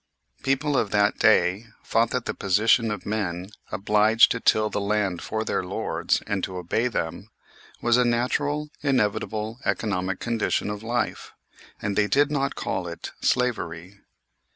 People of that day thought that the position of men obliged to till the land for their lords, and to obey them, was a natural, inevitable economic condition of life, and they did not call it slavery.